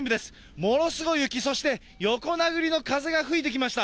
ものすごい雪、そして横殴りの風が吹いてきました。